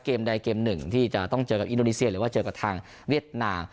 เกมใดเกมหนึ่งที่จะต้องเจอกับอินโดนีเซียหรือว่าเจอกับทางเวียดนาม